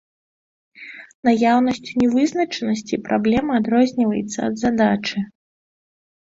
Наяўнасцю нявызначанасці праблема адрозніваецца ад задачы.